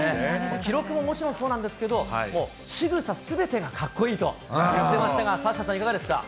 記録ももちろんそうなんですけれども、しぐさすべてがかっこいいと言ってましたが、サッシャさん、いかがですか。